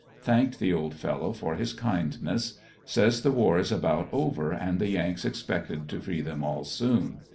Thanked the old fellow for his kindness Says the war is about over and the Yanks expected to free them all soon.